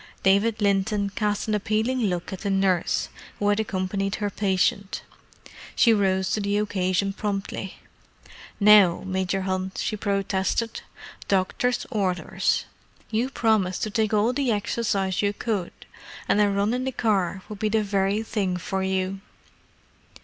David Linton cast an appealing look at the nurse, who had accompanied her patient. She rose to the occasion promptly. "Now, Major Hunt," she protested. "Doctor's orders! You promised to take all the exercise you could, and a run in the car would be the very thing for you."